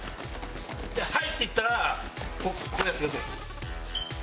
「はい」って言ったらこうやってください。